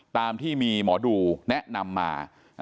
ตามที่มีหมอดูแนะนำมา